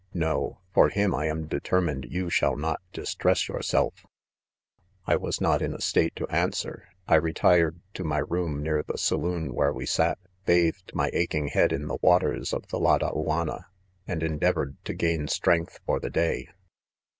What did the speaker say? No ! for him I am determined you shall not distress yourself." THE CONFESSIONS. 139 6 1 was' not in a state to answer* I retired to my loom near the saloon where we sat, "bathed my aching head in the waters of the La dauanna, and endeavored to gain strength for tlie day.